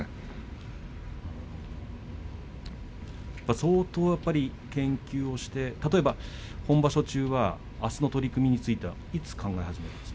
相当研究をして例えば、今場所中はあすの取組についていつ考え始めるんですか。